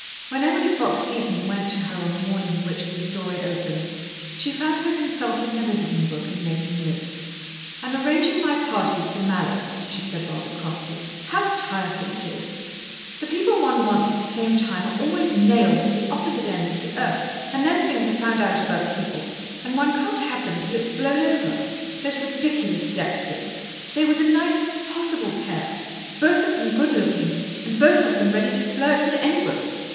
When Emily Fox Seton went to her on the morning in which this story opens, she found her consulting her visiting book and making lists. "I'm arranging my parties for Mallowe," she said rather crossly. "How tiresome it is! The people one wants at the same time are always nailed to the opposite ends of the earth. And then things are found out about people, and one can't have them till it's blown over. Those ridiculous Dexters! They were the nicest possible pair both of them good looking and both of them ready to flirt with anybody.